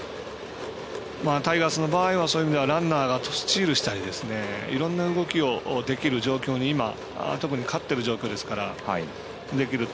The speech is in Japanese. タイガースの場合はそういう意味ではランナーがスチールしたりいろんな動きができる状況に特に勝っている状況なのでできると。